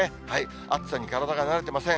暑さに体が慣れてません。